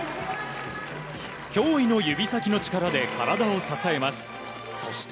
驚異の指先の力で体を支えます。